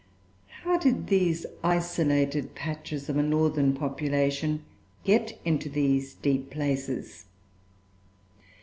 How did these isolated patches of a northern population get into these deep places?